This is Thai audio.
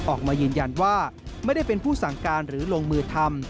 ออกมายืนยันว่าไม่ได้เป็นผู้สั่งการหรือลงมือทำ